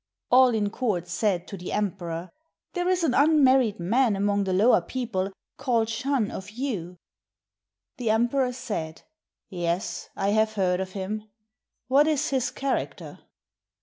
All in court said to the emperor, "There is an unmarried man among the lower people called Shun of Yu." The emperor said, " Yes, I have heard of him. What is his character?"